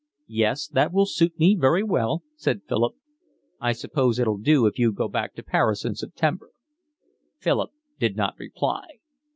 "Yes, that will suit me very well," said Philip. "I suppose it'll do if you go back to Paris in September." Philip did not reply.